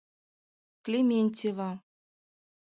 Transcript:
Клементьева.